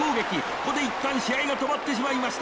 ここで一旦試合が止まってしまいました。